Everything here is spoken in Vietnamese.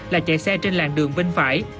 là chạy xe trên làng đường bên phải